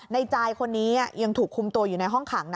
จายคนนี้ยังถูกคุมตัวอยู่ในห้องขัง